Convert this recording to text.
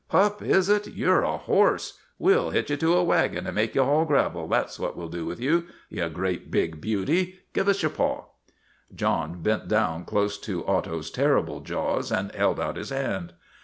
" Pup, is it? You 're a horse. We '11 hitch you to a wagon and make you haul gravel, that 's what we '11 do with you. You great, big beauty ! Give us your paw." John bent down close to Otto's terrible jaws and held out his hand.